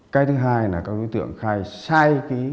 cái thứ hai là các đối tượng khai sai